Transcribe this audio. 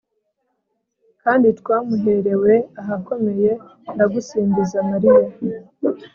kandi twamuherewe ahakomeye, ndagusingiza mariya